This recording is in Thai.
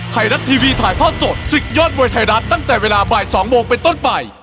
ไทยรัฐทีวีถ่ายทอดสดศึกยอดมวยไทยรัฐตั้งแต่เวลาบ่าย๒โมงเป็นต้นไป